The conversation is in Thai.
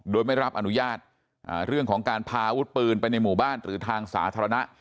โดยไม่รับอนุญาตเรื่องของการพาอาวุธปืนไปในหมู่บ้านหรือทางสาธารณะ